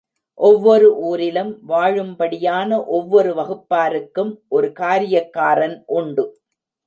ஒவ்வொரு ஊரிலும் வாழும்படியான ஒவ்வொரு வகுப்பாருக்கும் ஒரு காரியக்காரன் உண்டு.